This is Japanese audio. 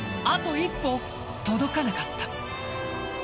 一歩、届かなかった。